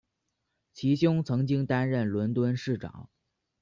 其兄曾经担任伦敦市长。